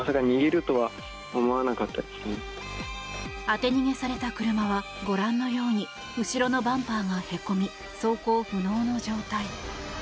当て逃げされた車はご覧のように後ろのバンパーがへこみ走行不能の状態。